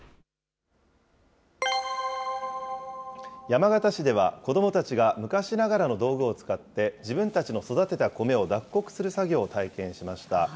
山形市では、子どもたちが昔ながらの道具を使って、自分たちの育てた米を脱穀する作業を体験しました。